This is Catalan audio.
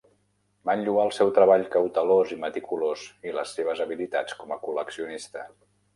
Van lloar el seu treball cautelós i meticulós i les seves habilitats com a col·leccionista.